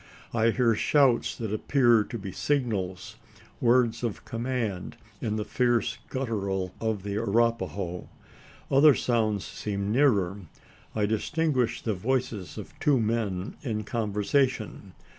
I hear shouts that appear to be signals words of command in the fierce guttural of the Arapaho. Other sounds seem nearer. I distinguish the voices of two men in conversation.